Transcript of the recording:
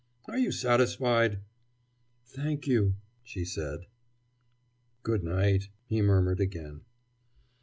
Are you satisfied?" "Thank you," she said. "Good night," he murmured again.